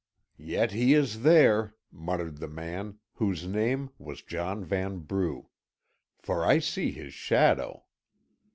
"Yet he is there," muttered the man, whose name was John Vanbrugh, "for I see his shadow."